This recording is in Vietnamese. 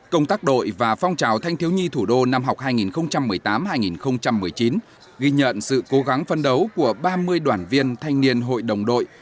công tác đội và phong trào thanh thiếu nhi thủ đô năm học hai nghìn một mươi tám hai nghìn một mươi chín ghi nhận sự cố gắng phân đấu của ba mươi đoàn viên thanh niên hội đồng đội